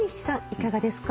いかがですか？